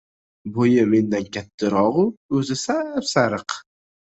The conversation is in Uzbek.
Bo‘yi mendan kattarog‘u o‘zi sap-sariq.